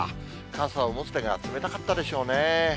傘を持つ手が冷たかったでしょうね。